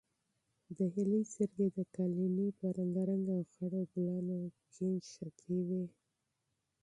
د هیلې سترګې د قالینې په رنګارنګ او خړو ګلانو کې نښتې وې.